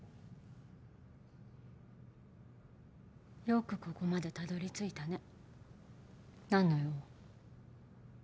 よくここまでたどりついたね何の用？